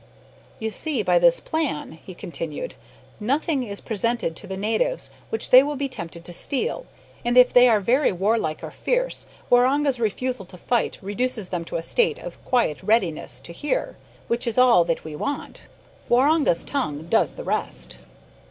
"You see, by this plan," he continued, "nothing is presented to the natives which they will be tempted to steal, and if they are very warlike or fierce, Waroonga's refusal to fight reduces them to a state of quiet readiness to hear, which is all that we want. Waroonga's tongue does the rest."